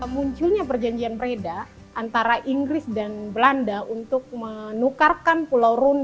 munculnya perjanjian pereda antara inggris dan belanda untuk menukarkan pulau rune